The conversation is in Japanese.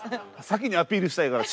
先にアピールしたいから。